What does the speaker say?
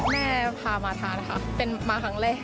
แม่พามาทานค่ะเป็นมาครั้งแรก